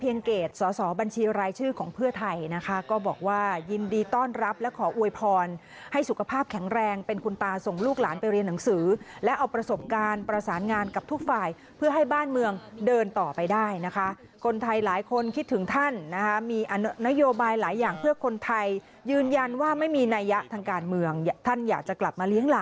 ยังไม่ได้คุยกันเลยครับ